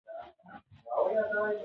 د افغانستان مدرسې لرغونې دي.